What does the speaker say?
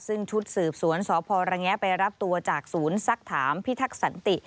ซึ่งชุดสืบสวนสพระแงะไปรับตัวจากศูนย์สักถามพิทักษันติ